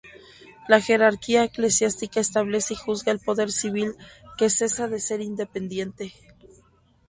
La jerarquía eclesiástica establece y juzga el poder civil que cesa de ser independiente.